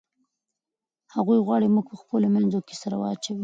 هغوی غواړي موږ په خپلو منځونو کې سره واچوي.